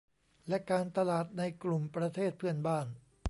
และการตลาดในกลุ่มประเทศเพื่อนบ้าน